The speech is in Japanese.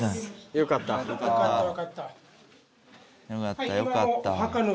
よかったよかった。